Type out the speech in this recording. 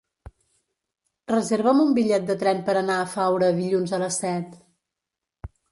Reserva'm un bitllet de tren per anar a Faura dilluns a les set.